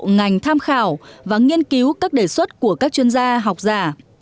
ngành tham khảo và nghiên cứu các đề xuất của các chuyên gia học giả